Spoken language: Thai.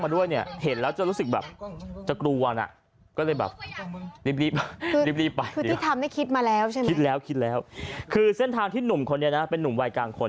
เดี๋ยวนะเป็นหนุ่มวัยกลางคน